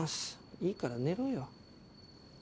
いいから寝ろよ。